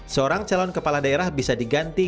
seorang calon kepala daerah bisa diganti